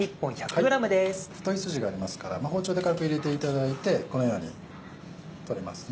太い筋がありますから包丁で軽く入れていただいてこのように取れますね。